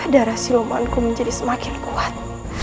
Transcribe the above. darah silumanku menjadi semakin kuat